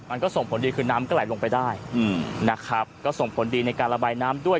มันก็ส่งผลดีคือน้ำก็ไหลลงไปได้อืมนะครับก็ส่งผลดีในการระบายน้ำด้วย